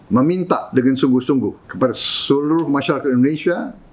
meminta dengan sungguh sungguh kepada seluruh masyarakat indonesia